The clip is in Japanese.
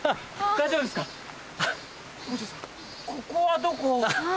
ここはどこ？